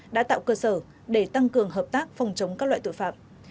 đã tạo cơ sở để tăng cường hợp tác phòng chống các loại tội phạm